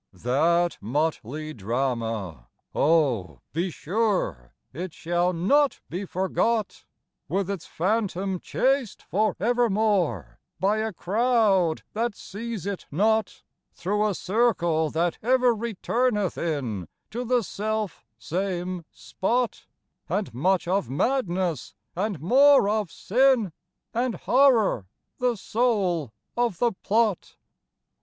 That motley drama—oh, be sureIt shall not be forgot! With its Phantom chased for evermore, By a crowd that seize it not, Through a circle that ever returneth inTo the self same spot, And much of Madness, and more of Sin, And Horror the soul of the plot.